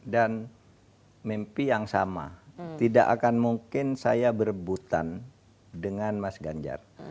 dan mimpi yang sama tidak akan mungkin saya berebutan dengan mas ganjar